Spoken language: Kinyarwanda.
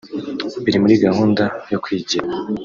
biri muri gahunda yo kwigira